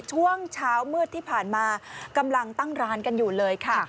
ช่วงเช้ามืดที่ผ่านมากำลังตั้งร้านกันอยู่เลยค่ะ